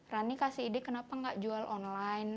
rani kasih ide kenapa nggak jual online